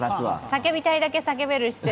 叫びたいだけ叫べる施設。